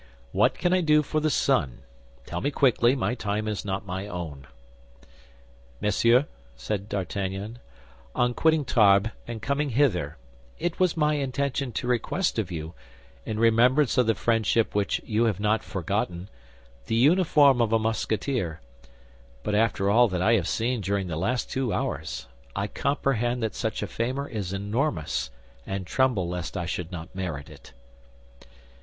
"What can I do for the son? Tell me quickly; my time is not my own." "Monsieur," said D'Artagnan, "on quitting Tarbes and coming hither, it was my intention to request of you, in remembrance of the friendship which you have not forgotten, the uniform of a Musketeer; but after all that I have seen during the last two hours, I comprehend that such a favor is enormous, and tremble lest I should not merit it."